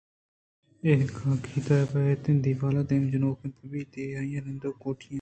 اے کاگد باید اِنت دیوال ءِ دیم ءَ جنوک بہ بیت ءُاے آئی ءِ نندگ ءِ کوٹی اِنت